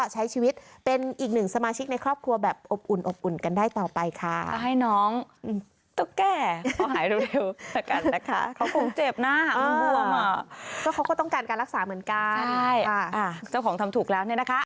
ใช่เจ้าของทำถูกแล้วเนี่ยนะคะ